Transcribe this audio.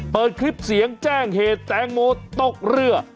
เปิดคลิปเสียงแจ้งเหตุแตงโมตกเรือ